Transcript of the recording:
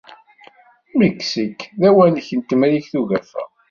Miksik d awanek n Temrikt Ugafa.